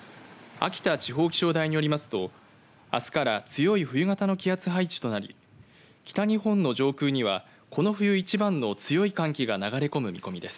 秋田地方気象台によりますとあすから強い冬型の気圧配置となり北日本の上空にはこの冬一番の強い寒気が流れ込む見込みです。